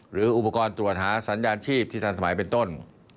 หรืออุปกรณ์ตรวจหาสัญญาณชีพที่ทันสมัยเป็นต้น